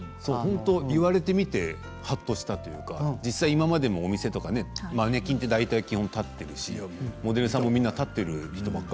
言われてみてはっとしたというか今までもお店のマネキンは基本立っているし、モデルさんも立っているからね。